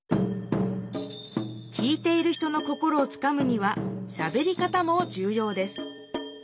聞いている人の心をつかむにはしゃべり方もじゅうようです。